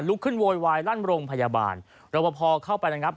ขึ้นโวยวายลั่นโรงพยาบาลรบพอเข้าไปนะครับ